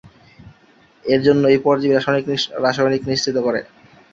এর জন্য এই পরজীবী রাসায়নিক নিঃসৃত করে।